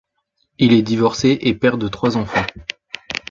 Il est divorcé et père de trois enfants.